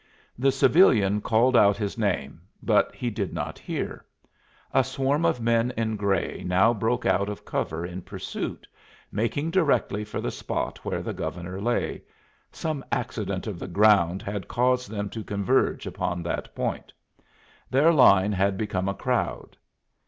The civilian called out his name, but he did not hear. A swarm of men in gray now broke out of cover in pursuit, making directly for the spot where the Governor lay some accident of the ground had caused them to converge upon that point: their line had become a crowd.